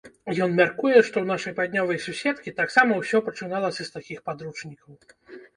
Ён мяркуе, што ў нашай паўднёвай суседкі таксама ўсё пачыналася з такіх падручнікаў.